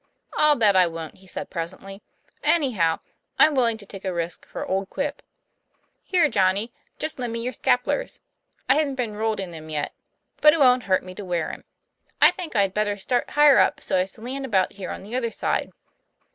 ''I'll bet I won't," he said presently. 'Anyhow, I'm willing to take a risk for old Quip. Here, Johnny, just lend me your scap'lers. I haven't been rolled in them yet; but it won't hurt me to wear 'em. I think I'd better start higher up so as to land about here on the other side."